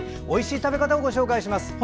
おいしい食べ方をご紹介します。